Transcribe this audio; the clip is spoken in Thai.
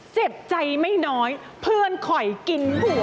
เจ็บใจไม่น้อยเพื่อนคอยกินหัว